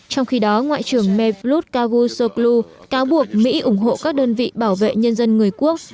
trong khi đó ngoại trưởng mevlut cavusoglu cáo buộc mỹ ủng hộ các đơn vị bảo vệ nhân dân người quốc